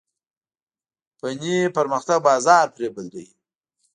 فني پرمختګ بازار پرې بدلوي.